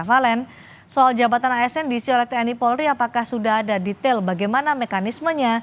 valen soal jabatan asn diisi oleh tni polri apakah sudah ada detail bagaimana mekanismenya